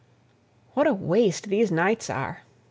"What a waste these nights are!"